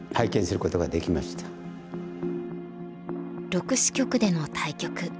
６子局での対局。